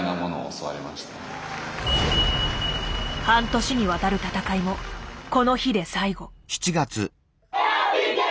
半年にわたる戦いもこの日で最後。